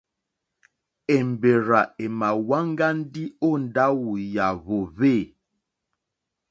Èmbèrzà èmà wáŋgá ndí ó ndáwù yà hwòhwê.